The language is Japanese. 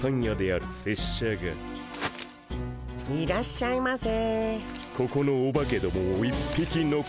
あっいらっしゃいませ。